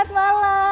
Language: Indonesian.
ilam mas putar juga